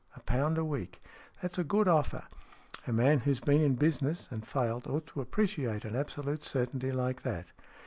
A pound a week. That's a good offer. A man who's been in business, and failed, ought to appreciate an absolute certainty like that."